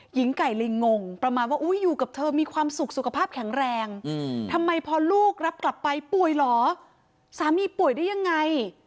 หญิงไก่เลยงงประมาณว่าอยู่กับเธอมีความสุขสุขภาพแข็งแรงทำไมพอลูกรับกลับไปป่วยเหรอสามีป่วยได้ยังไง